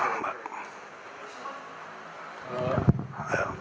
saya kira itu